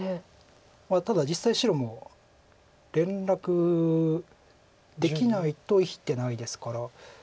ただ実際白も連絡できないと生きてないですから。